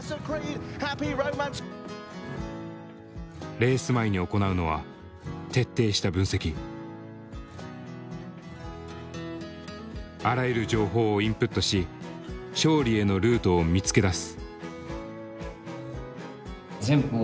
レース前に行うのはあらゆる情報をインプットし勝利へのルートを見つけ出す。